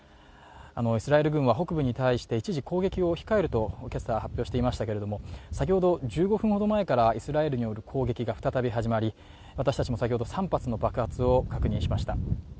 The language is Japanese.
イスラエル軍は北部に対し一時攻撃を控えると今朝発表していましたけれども先ほど１５分ほど前からイスラエルによる攻撃が再び始まり私たちも先ほど３発の空爆を確認しました。